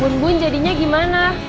bun bun jadinya gimana